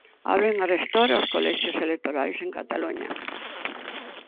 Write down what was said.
Abren arestora os colexios electorais en Cataluña.